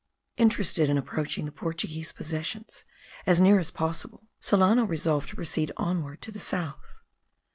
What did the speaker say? Interested in approaching the Portuguese possessions as near as possible, Solano resolved to proceed onward to the south.